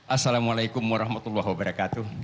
assalamualaikum warahmatullahi wabarakatuh